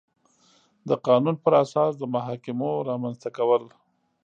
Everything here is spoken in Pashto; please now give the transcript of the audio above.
د قانون پر اساس د محاکمو رامنځ ته کول